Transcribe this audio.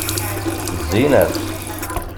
Zzin-as.